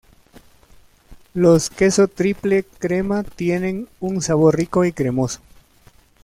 Los queso triple crema tiene un sabor rico y cremoso.